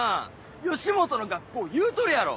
吉本の学校言うとるやろ！